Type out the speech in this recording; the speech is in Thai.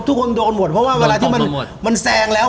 ทุกคนโดนหมดเพราะว่าเวลาที่มันแซงแล้ว